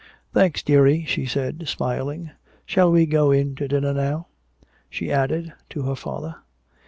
"Thanks, dearie," she said, smiling. "Shall we go in to dinner now?" she added to her father.